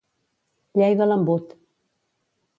Llei de l'embut.